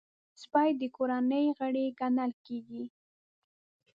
سپي د کورنۍ غړی ګڼل کېږي.